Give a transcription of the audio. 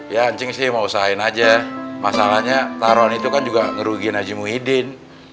ya anjing sih mau usahain aja masalahnya taruhan itu kan juga ngerugi naji muhyiddin